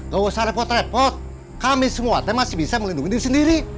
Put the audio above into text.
gak usah repot repot kami semua tapi masih bisa melindungi diri sendiri